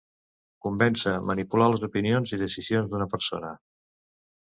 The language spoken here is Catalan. Convèncer, manipular les opinions i decisions d'una persona.